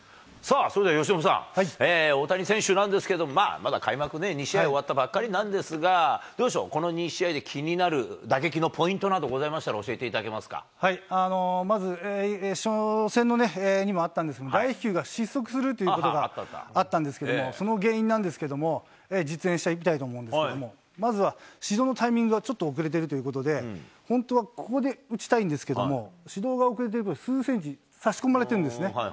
さあ、それでは由伸さん、大谷選手なんですけれども、まだ開幕２試合終わったばかりなんですが、どうでしょう、この２試合で気になる打撃のポイントなどございましたら、教えてまず、初戦にもあったんですが、大飛球が失速するということがあったんですけども、その原因なんですけれども、実演してみたいと思いますけれども、まずは始動のタイミングがちょっと遅れているということで、本当はここで打ちたいんですけども、始動が遅れていると、数センチ差し込まれているんですね。